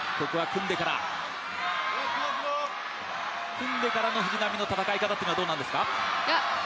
組んでからの藤波の戦い方というのはどうなんですか？